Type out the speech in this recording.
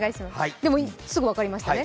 でもすぐ分かりましたね。